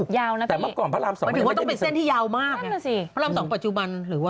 ยาวน่ะพี่มันถึงว่าต้องเป็นเส้นที่ยาวมากน่ะสิพระรามสองปัจจุบันหรือว่า